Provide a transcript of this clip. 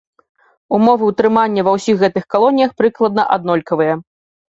Умовы ўтрымання ва ўсіх гэтых калоніях прыкладна аднолькавыя.